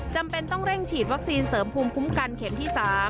จำเป็นต้องเร่งฉีดวัคซีนเสริมภูมิคุ้มกันเข็มที่๓